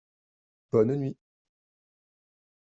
Bonne nuit !